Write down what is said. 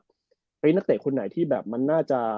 ถ้าเกี่ยวกับคนไหนที่แบบมันน่าจะ